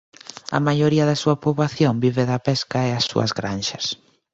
A maioría da súa poboación vive da pesca e as súas granxas.